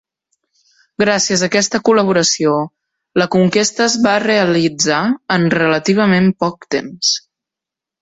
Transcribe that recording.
Gràcies a aquesta col·laboració la conquesta es va realitzar en relativament poc temps.